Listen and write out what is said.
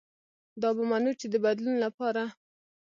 دا به منو چې د بدلون له پاره